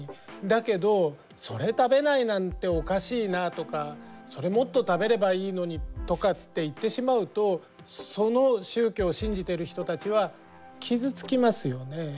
だけど「それ食べないなんておかしいな」とか「それもっと食べればいいのに」とかって言ってしまうとその宗教を信じている人たちは傷つきますよね。